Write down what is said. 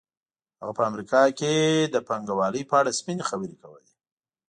هغه په امریکا کې د پانګوالۍ په اړه سپینې خبرې کولې